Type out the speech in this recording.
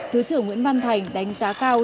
thứ trưởng nguyễn văn thành đánh giá cao